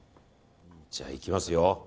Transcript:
じゃあ、いきますよ。